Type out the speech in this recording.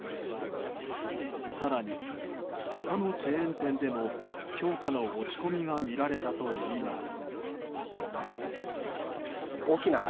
更に、他のチェーン店でも評価の落ち込みが見られたといいます。